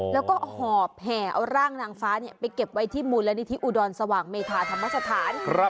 แล้วก็หอบแห่เอาร่างนางฟ้าไปเก็บไว้ที่มูลนิธิอุดรสว่างเมธาธรรมสถาน